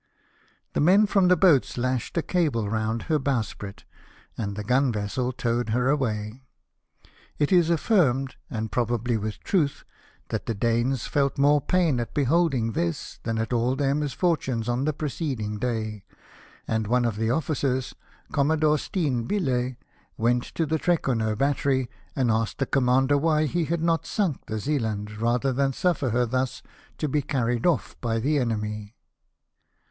The men from the boats lashed a cable round her bowsprit, and the gmi vessel towed her away. It is affirmed, and probably with truth, that the Danes felt more pain at beholding this than at all their misfortunes on the preceding day ; and one of the officers. Commodore Steen Bille, went to the Trekroner Battery, and asked the commander why he had not sunk the Zealand, rather than suffer her thus to be carried off by the enemy.